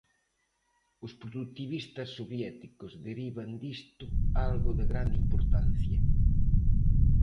Os produtivistas soviéticos derivan disto algo de grande importancia.